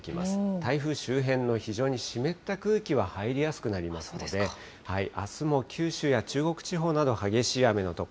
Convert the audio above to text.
台風周辺の非常に湿った空気は入りやすくなりますので、あすも九州や中国地方など、激しい雨の所